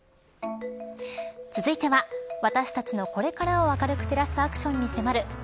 続いては私たちのこれからを明るく照らすアクションに迫る＃